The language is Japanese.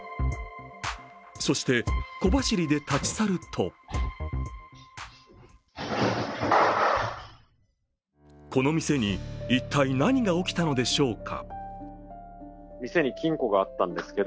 そして、小走りで立ち去るとこの店に一体何が起きたのでしょうか？